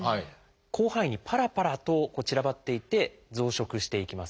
広範囲にパラパラと散らばっていて増殖していきます。